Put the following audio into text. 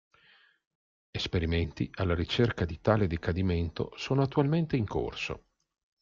Esperimenti alla ricerca di tale decadimento sono attualmente in corso.